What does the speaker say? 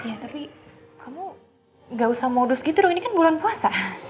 ya tapi kamu gak usah modus gitu loh ini kan bulan puasa